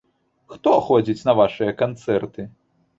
Хто ходзіць на вашыя канцэрты?